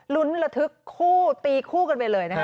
ลุ้นระทึกคู่ตีคู่กันไปเลยนะคะ